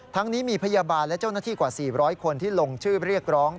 ทั้งนี้มีพยาบาลและเจ้าหน้าที่กว่า๔๐๐คนที่ลงชื่อเรียกร้อง